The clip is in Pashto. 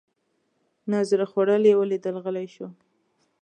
نه زړه خوړل یې ولیدل غلی شو.